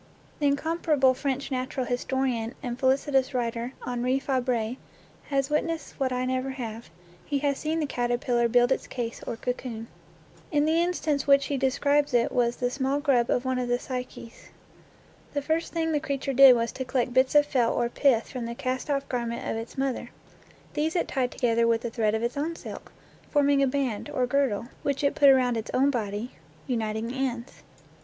The incomparable French natural historian and felicitous writer Henri Fabre has witnessed what I never have: he has seen the caterpillar build its case or cocoon. In the instance which he describes it was 22 NATURE LORE the small grub of one of the Psyches. The first thing the creature did was to collect bits of felt or pith from the cast off garment of its mother. These it tied together with a thread of its own silk, forming a band, or girdle, which it put around its own body, uniting the ends.